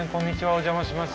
お邪魔します。